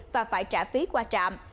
và phải trả phí qua trạm